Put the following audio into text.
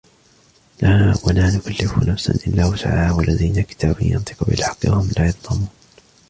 وَلَا نُكَلِّفُ نَفْسًا إِلَّا وُسْعَهَا وَلَدَيْنَا كِتَابٌ يَنْطِقُ بِالْحَقِّ وَهُمْ لَا يُظْلَمُونَ